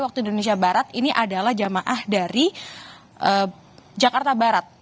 waktu indonesia barat ini adalah jamaah dari jakarta barat